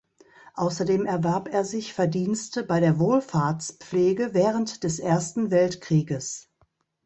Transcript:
Außerdem erwarb er sich Verdienste bei der Wohlfahrtspflege während des Ersten Weltkrieges.